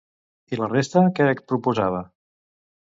I la resta què proposava?